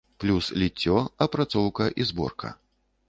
Плюс ліццё, апрацоўка і зборка.